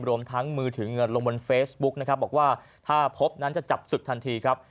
ทั้งมือถือเงินลงบนเฟซบุ๊กนะครับบอกว่าถ้าพบนั้นจะจับศึกทันทีครับ